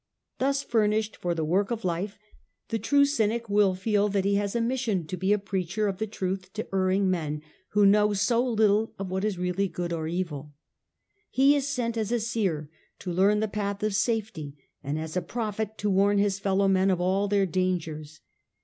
Thus furnished for the work of life, the true Cynic will feel that he has a mission to be a preacher of the truth to erring men who know so little of what is really good or evil. He is sent as a seer to learn the path of safety, and as a prophet to warn his fellow men of all their dangers.